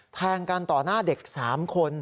แทงกันต่อหน้าเด็ก๓คน